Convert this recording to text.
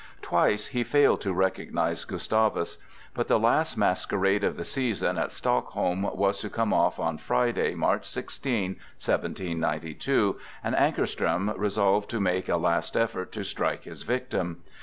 Twice he failed to recognize Gustavus. But the last masquerade of the season at Stockholm was to come off on Friday, March 16, 1792, and Ankarström resolved to make a last effort to strike his victim.